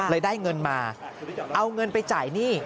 ได้เงินมาเอาเงินไปจ่ายหนี้